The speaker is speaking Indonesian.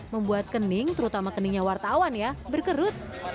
membuat kening terutama keningnya wartawan ya berkerut